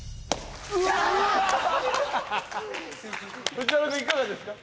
藤原くんいかがですか？